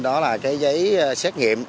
đó là cái giấy xét nghiệm